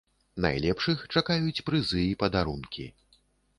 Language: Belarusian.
Найлепшых чакаюць прызы і падарункі.